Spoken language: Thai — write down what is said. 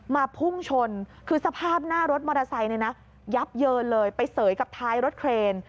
พุ่งชนคือสภาพหน้ารถมอเตอร์ไซค์เนี่ยนะยับเยินเลยไปเสยกับท้ายรถเครน